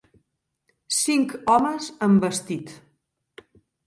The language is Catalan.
Cinc homes amb vestit.